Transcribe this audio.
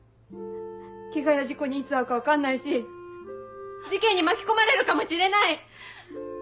ケガや事故にいつ遭うか分かんないし事件に巻き込まれるかもしれない。